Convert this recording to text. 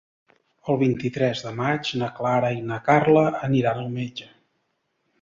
El vint-i-tres de maig na Clara i na Carla aniran al metge.